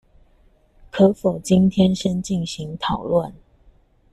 可否今天先進行討論